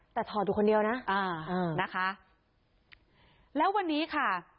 แต่ถอดอยู่คนเดียวนะอ่านะคะแล้ววันนี้ค่ะ